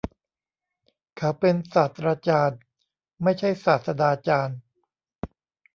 เขาเป็นศาสตราจารย์ ไม่ใช่ศาสดาจารย์